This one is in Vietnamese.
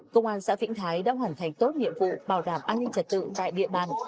công an xã vĩnh thái đã hoàn thành tốt nhiệm vụ bảo đảm an ninh trật tự tại địa bàn